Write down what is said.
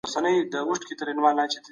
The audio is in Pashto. د اوږدې مودې ګټه په کیفیت کې ده.